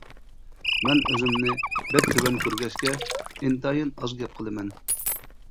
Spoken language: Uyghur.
مەن ئۆزۈمنى بەك تۆۋەن كۆرگەچكە، ئىنتايىن ئاز گەپ قىلىمەن.